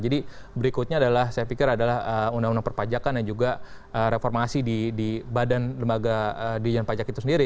jadi berikutnya adalah saya pikir adalah undang undang perpajakan dan juga reformasi di badan lembaga diri dan pajak itu sendiri